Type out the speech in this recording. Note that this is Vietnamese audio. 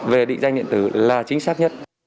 về định danh điện tử là chính xác nhất